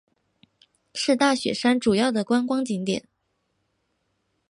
是大雪山主要的观光景点。